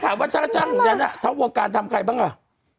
ถ้าถามว่าชาติช่างทั้งวงการทำใครบ้างอ่ะ